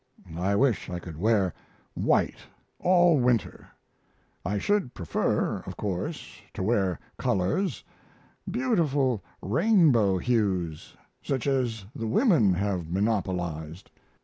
I wish I could wear white all winter. I should prefer, of course, to wear colors, beautiful rainbow hues, such as the women have monopolized.